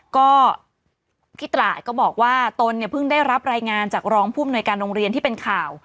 ก็พี่ตราดก็บอกว่าตนเนี่ยเพิ่งได้รับรายงานจากรองผู้อำนวยการโรงเรียนที่เป็นข่าว